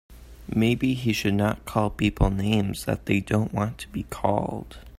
Maybe he should not call people names that they don't want to be called.